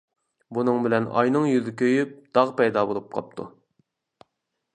بۇنىڭ بىلەن ئاينىڭ يۈزى كۆيۈپ، داغ پەيدا بولۇپ قاپتۇ.